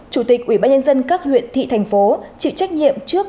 chủ tịch ubnd các huyện thị thành phố chịu trách nhiệm trước